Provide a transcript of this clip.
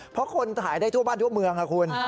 เพราะคนถ่ายได้ทั่วบ้านทั่วเมืองค่ะคุณ